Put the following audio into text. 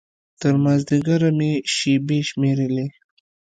تر مازديګره مې شېبې شمېرلې.